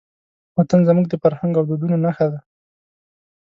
وطن زموږ د فرهنګ او دودونو نښه ده.